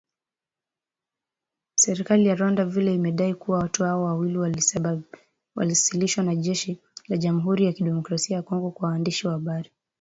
Serikali ya Rwanda vile vile imedai kwamba watu hao wawili walioasilishwa na jeshi la Jamhuri ya Kidemokrasia ya Kongo kwa waandishi wa habari